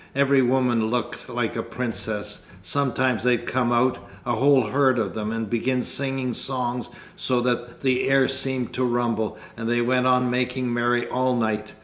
Every woman looked like a princess. Sometimes they'd come out, a whole herd of them, and begin singing songs so that the air seemed to rumble, and they went on making merry all night.